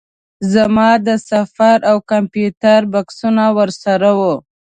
زما د سفر او کمپیوټر بکسونه ورسره وو.